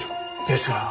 ですが